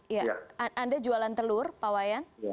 ya anda jualan telur pak wayan